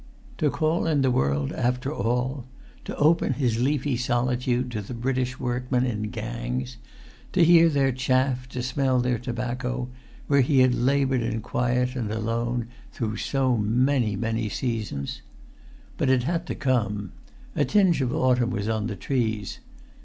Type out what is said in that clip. To call in the world after all! To open his leafy solitude to the British workmen in gangs, to hear their chaff, to smell their tobacco, where he had laboured in quiet and alone through so many, many seasons! But it had to come. A tinge of autumn was on the trees.